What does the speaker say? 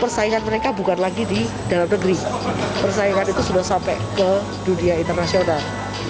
persaingan mereka bukan lagi di dalam negeri persaingan itu sudah sampai ke dunia internasional